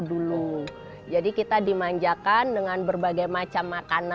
ruang sukarno dikatakan sebagai ruang utama